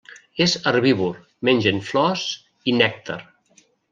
És herbívor, mengen flors i nèctar.